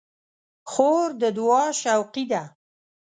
خور د دعا شوقي ده.